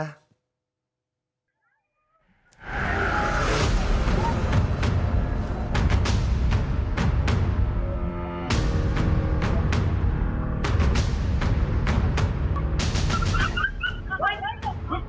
มาได้ไหนอะ